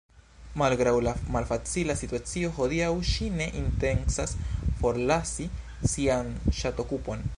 Malgraŭ la malfacila situacio hodiaŭ ŝi ne intencas forlasi sian ŝatokupon.